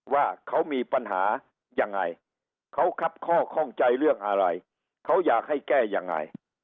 ว่าเขามีปัญหายังไงเขาครับข้อข้องใจเรื่องอะไรเขาอยากให้แก้ยังไง